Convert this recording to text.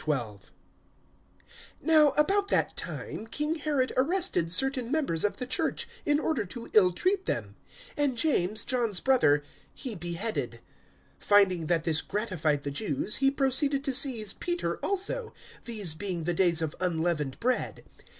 012:001 Now, about that time, King Herod arrested certain members of the Church, in order to ill treat them; 012:002 and James, John's brother, he beheaded. 012:003 Finding that this gratified the Jews, he proceeded to seize Peter also; these being the days of Unleavened Bread.